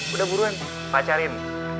udah buruan pacarin